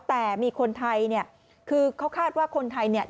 แต่มีคนไทยคือเขาคาดว่าคนไทย